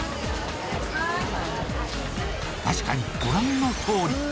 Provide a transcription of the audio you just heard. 確かにご覧のとおり。